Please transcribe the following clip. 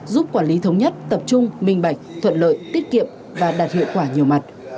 giúp quản lý thống nhất tập trung minh bạch thuận lợi tiết kiệm và đạt hiệu quả nhiều mặt